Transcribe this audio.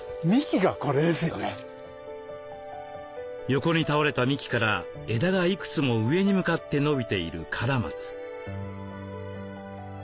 横に倒れた幹から枝がいくつも上に向かって伸びているカラマツ。